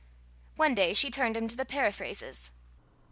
One day she turned him to the paraphrases.